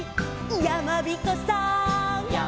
「やまびこさん」